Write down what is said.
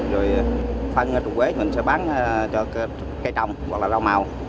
rồi phân ở quế mình sẽ bán cho cây trồng hoặc là rau màu